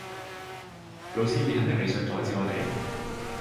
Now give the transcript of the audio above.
老師你肯定你想阻止我哋？